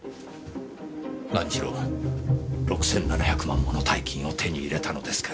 何しろ６７００万もの大金を手に入れたのですから。